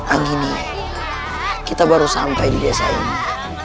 angini kita baru sampai di desa ini